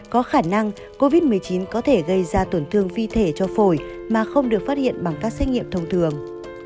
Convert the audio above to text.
có khả năng covid một mươi chín có thể gây ra tổn thương phi thể cho phổi mà không được phát hiện bằng các xét nghiệm thông thường